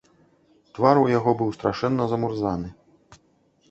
Твар у яго быў страшэнна замурзаны.